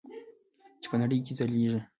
چې په نړۍ کې ځلیږي.